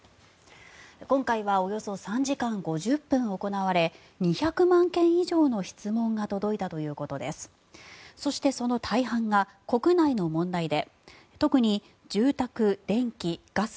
今回はおよそ３時間５０分行われ２００万件以上の質問が届いたということです。